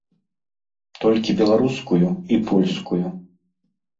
Толькі беларускую і польскую.